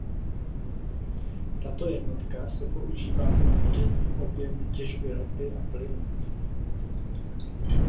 Tato jednotka se používá pro měření objemu těžby ropy a plynu.